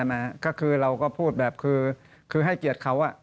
นะฮะก็คือเราก็พูดแบบคือให้เกียรติเขา